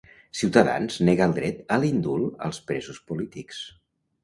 Ciutadans nega el dret a l'indult als presos polítics.